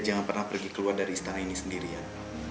jangan pernah pergi keluar dari istana ini sendirian